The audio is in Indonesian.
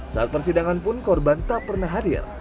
saat persidangan pun korban tak pernah hadir